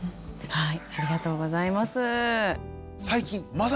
はい。